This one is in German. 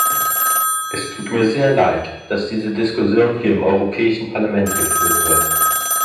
Es tut mir sehr leid, dass diese Diskussion hier im Europäischen Parlament geführt wird.